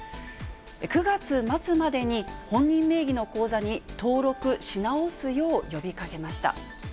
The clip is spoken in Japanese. ９月末までに、本人名義の口座に登録し直すよう呼びかけました。